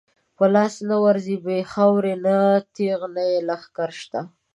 په لاس نه ورځی بی خاورو، نه یی تیغ نه یی لښکر شته